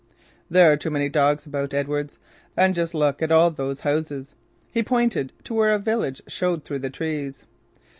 "There's too many dogs about, Edwards. And just look at all those houses." He pointed to where a village showed through the trees.